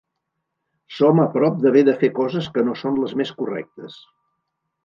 Som a prop d’haver de fer coses que no són les més correctes.